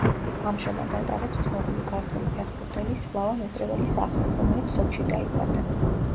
ამჟამად ატარებს ცნობილი ქართველი ფეხბურთელის სლავა მეტრეველის სახელს, რომელიც სოჭში დაიბადა.